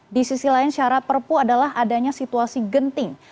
di sisi lain syarat perpu adalah adanya situasi genting